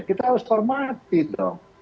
kita harus hormati dong